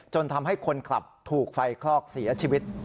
ทำให้คนขับถูกไฟคลอกเสียชีวิต